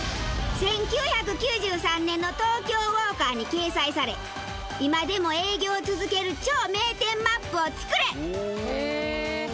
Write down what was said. １９９３年の『東京ウォーカー』に掲載され今でも営業を続ける超名店ＭＡＰを作れ！